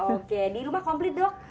oke di rumah komplit dok